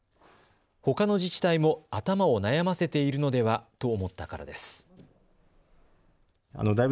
ほかの自治体も頭を悩ませているのではと思ったからです。